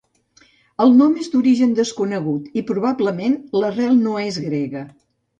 El nom és d'origen desconegut, i probablement l'arrel no és grega.